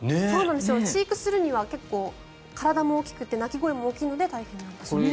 飼育するには体も大きくて鳴き声も大きいので大変なんですね。